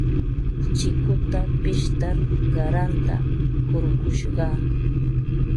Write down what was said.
Chikuta pishtar qaranta hurqushqaa.